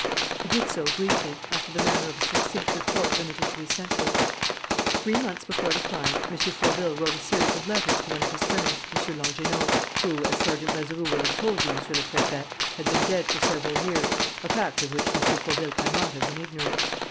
He did so briefly, after the manner of a succinct report limited to essentials: "Three months before the crime, M. Fauville wrote a series of letters to one of his friends, M. Langernault, who, as Sergeant Mazeroux will have told you, Monsieur le Préfet, had been dead for several years, a fact of which M. Fauville cannot have been ignorant.